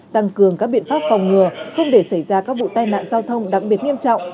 tăng cường các biện pháp phòng ngừa không để xảy ra các vụ tai nạn giao thông đặc biệt nghiêm trọng